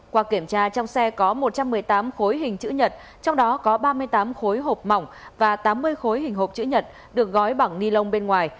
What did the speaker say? qua kiểm tra trong xe có một trăm một mươi tám khối hình chữ nhật trong đó có ba mươi tám khối hộp mỏng và tám mươi khối hình hộp chữ nhật được gói bằng ni lông bên ngoài